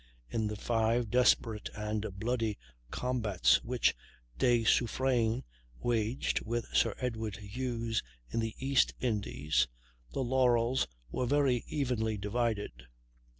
In the five desperate and bloody combats which De Suffrein waged with Sir Edward Hughes in the East Indies, the laurels were very evenly divided.